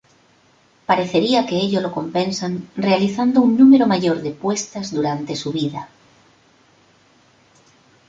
Parecería que ello lo compensan realizando un número mayor de puestas durante su vida.